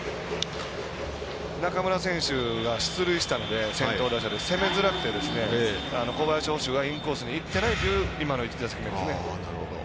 中村選手が先頭打者で出塁したので攻めづらくて、小林捕手がインコースにいってないという今の１球ですね。